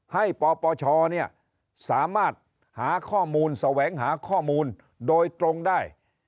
ปปชสามารถหาข้อมูลแสวงหาข้อมูลโดยตรงได้